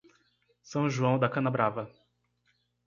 São João da Canabrava